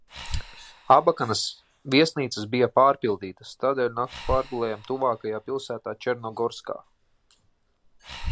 Abakanas viesnīcas bija pārpildītas, tādēļ nakti pārgulējām tuvākajā pilsētā Černogorskā.